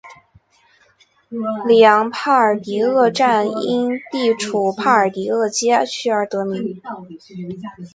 里昂帕尔迪厄站因地处帕尔迪厄街区而得名。